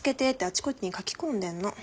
あちこちに書き込んでんの。